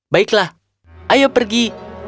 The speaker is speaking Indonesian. baiklah ayo pergi